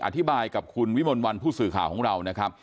อธิบายกับคุณวิมลวันผู้สื่อข่าวของเรานะครับ